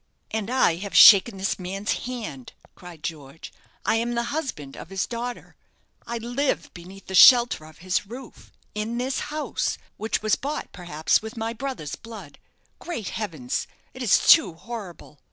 "And I have shaken this man's hand!" cried George. "I am the husband of his daughter. I live beneath the shelter of his roof in this house, which was bought perhaps with my brother's blood. Great heavens! it is too horrible."